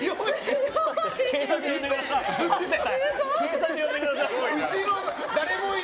警察呼んでください。